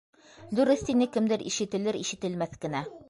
- Дөрөҫ, - тине кемдер ишетелер-ишетелмәҫ кенә.